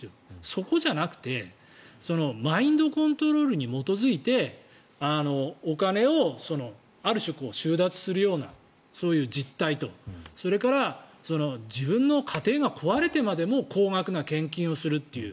そこじゃなくてマインドコントロールに基づいてお金をある種、収奪するようなそういう実態とそれから自分の家庭が壊れてまでも高額な献金をするっていう。